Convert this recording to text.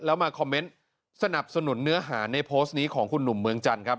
แล้วมาคอมเมนต์สนับสนุนเนื้อหาในโพสต์นี้ของคุณหนุ่มเมืองจันทร์ครับ